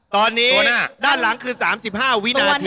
ตอนนี้ด้านหลังคือ๓๕วินาที